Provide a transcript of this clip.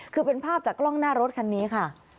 คือเป็นภาพจากกล้องหน้ารถคันนี้ค่ะ